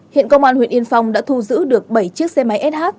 hiện công an huyện yên phong đã thu giữ được bảy chiếc xe máy sh